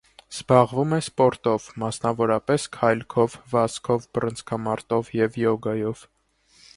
Զբաղվում է սպորտով, մասնավորապես՝ քայլքով, վազքով, բռնցքամարտով և յոգայով։